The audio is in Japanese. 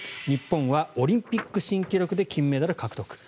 日本はオリンピック新記録で金メダル獲得。